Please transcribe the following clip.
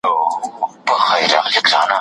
دا کتاب تر ټولو ښه تاريخي سرچينه ګڼل کېږي.